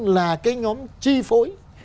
là cái nhóm chi phối